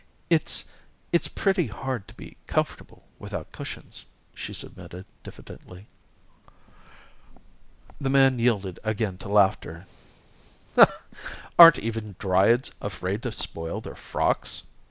"It's it's pretty hard to be comfortable without cushions," she submitted diffidently. The man yielded again to laughter. "Are even Dryads afraid to spoil their frocks?